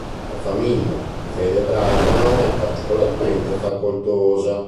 La famiglia, di fede ebraica, non è particolarmente facoltosa.